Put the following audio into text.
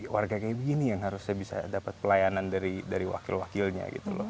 warga kayak begini yang harusnya bisa dapat pelayanan dari wakil wakilnya gitu loh